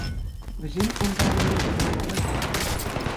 Вӗсен ӑнтӑлӑвне ырламалла ҫеҫ.